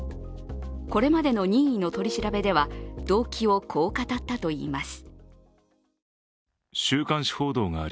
これまでの任意の取り調べでは動機をこう語ったといいます。